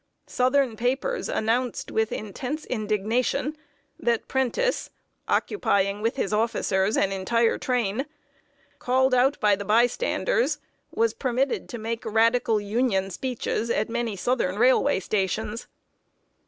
Southern papers announced, with intense indignation, that Prentiss occupying, with his officers, an entire train called out by the bystanders, was permitted to make radical Union speeches at many southern railway stations.